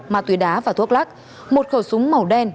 ma túy đá và thuốc lắc một khẩu súng màu đen